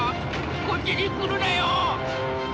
こっちに来るなよ！